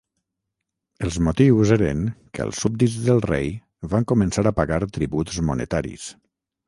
Els motius eren que els súbdits del rei van començar a pagar tributs monetaris.